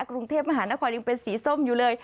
กรุงเทพมหานครยังเป็นสีส้มอยู่เลย